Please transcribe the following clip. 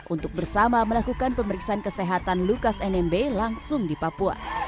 untuk bersama melakukan pemeriksaan kesehatan lukas nmb langsung di papua